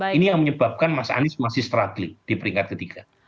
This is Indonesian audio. ini yang menyebabkan mas anies masih struggling di peringkat ketiga